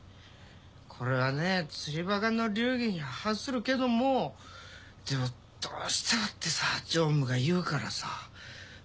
これはね釣りバカの流儀に反するけどもでもどうしてもってさ常務が言うからさ。